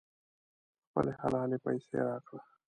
خپلې حلالې پیسې راکړه.